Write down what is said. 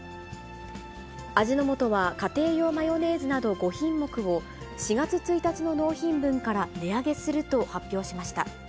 味の素は家庭用マヨネーズなど５品目を、４月１日の納品分から値上げすると発表しました。